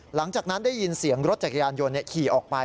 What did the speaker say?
หลังจากนั้นได้ยินเสียงรถจักรยานยนต์ขี่ออกไป